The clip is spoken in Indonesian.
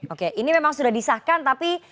oke ini memang sudah disahkan tapi